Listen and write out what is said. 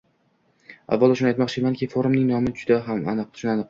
Avvalo, shuni aytmoqchimanki, forumning nomi juda aniq: